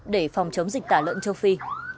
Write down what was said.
để phòng chống dịch tả lợn châu phi